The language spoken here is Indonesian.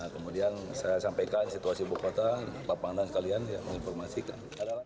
kemudian saya sampaikan situasi ibu kota bapak dan sekalian yang menginformasikan